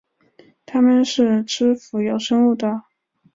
它们是吃浮游生物的。